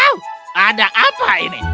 wow ada apa ini